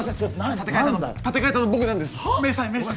立て替えたの僕なんです明細はっ？